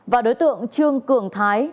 và đối tượng trương cường thái